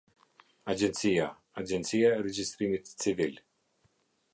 Agjencia - Agjencia e regjistrimit civil.